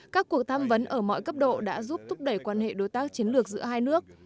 các cuộc tham vấn ở mọi cấp độ đã giúp thúc đẩy quan hệ đối tác chiến lược giữa hai nước